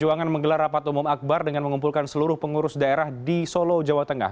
perjuangan menggelar rapat umum akbar dengan mengumpulkan seluruh pengurus daerah di solo jawa tengah